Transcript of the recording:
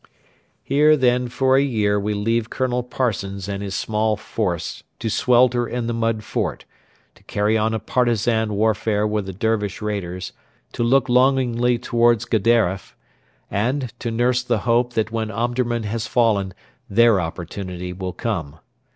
Here, then, for a year we leave Colonel Parsons and his small force to swelter in the mud fort, to carry on a partisan warfare with the Dervish raiders, to look longingly towards Gedaref, and to nurse the hope that when Omdurman has fallen their opportunity will come.